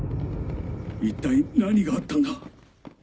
一体何があったんだ。